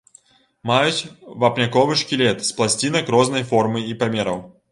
Маюць вапняковы шкілет з пласцінак рознай формы і памераў.